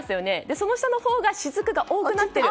その下のほうがしずくが多くなっている。